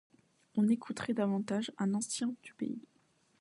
On écouterait davantage un ancien du pays.